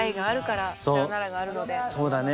そうだね。